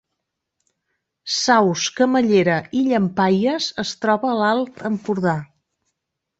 Saus, Camallera i Llampaies es troba a l’Alt Empordà